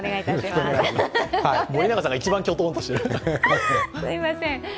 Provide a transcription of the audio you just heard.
すみません。